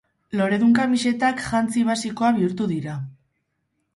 Loredun kamisetak jantzi basikoa bihurtu dira.